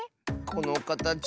このかたち